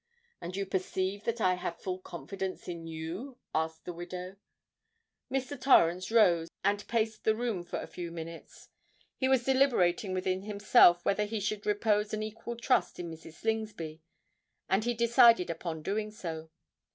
"And you perceive that I have full confidence in you," added the widow. Mr. Torrens rose and paced the room for a few minutes. He was deliberating within himself whether he should repose an equal trust in Mrs. Slingsby; and he decided upon doing so.